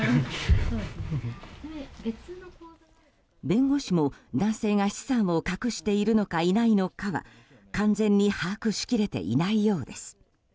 弁護士も男性が資産を隠しているのかいないのかは完全に把握しきれていないようです。